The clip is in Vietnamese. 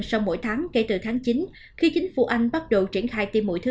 sau mỗi tháng kể từ tháng chín khi chính phủ anh bắt đầu triển khai tiêm mũi thứ ba